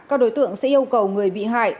các đối tượng sẽ yêu cầu người bị hại